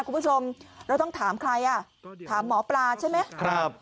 คุณผู้ชมเราต้องถามใครอ่ะถามหมอปลาใช่ไหมครับ